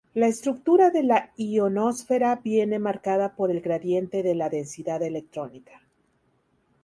La estructura de la ionosfera viene marcada por el gradiente de la densidad electrónica.